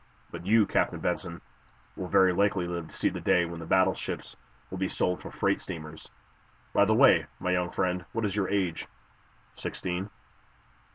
But you, Captain Benson, will very likely live to see the day when the battleships will be sold for freight steamers. By the way, my young friend, what is your age? Sixteen.